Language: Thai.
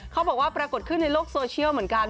เขาบอกว่าปรากฏขึ้นในโลกโซเชียลเหมือนกัน